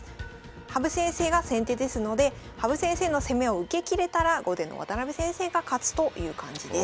羽生先生が先手ですので羽生先生の攻めを受けきれたら後手の渡辺先生が勝つという感じです。